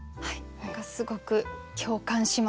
何かすごく共感しました。